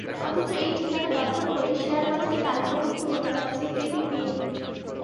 অথচ এই ঠিকানা ব্যবহার করেই শেয়ারবাজারে তালিকাভুক্ত হতে যাচ্ছে কেপিপিএল।